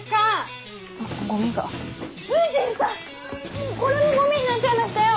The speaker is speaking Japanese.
もうこれもゴミになっちゃいましたよ！